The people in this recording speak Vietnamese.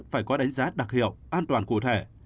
phải có đánh giá đặc hiệu an toàn cụ thể